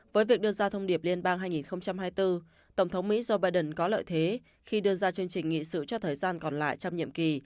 với việc đưa ra thông điệp liên bang hai nghìn hai mươi bốn tổng thống mỹ joe biden có lợi thế khi đưa ra chương trình nghị sự cho thời gian còn lại trong nhiệm kỳ